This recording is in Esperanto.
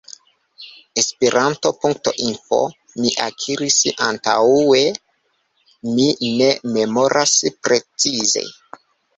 Esperanto.info mi akiris antaŭe, mi ne memoras precize.